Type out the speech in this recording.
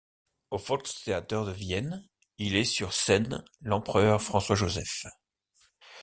Au Volkstheater de Vienne, il est sur scène l'empereur François-Joseph.